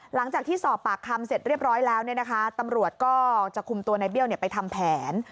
หลังจากที่สอบปากคำเสร็จเรียบร้อยแล้วตำรวจก็จะคุมตัวในเบี้ยวไปทำแผน